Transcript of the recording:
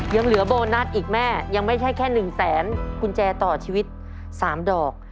ยังเหลือโบนัสอีกแม่ยังไม่ใช่แค่๑แสนกุญแจต่อชีวิต๓ดอก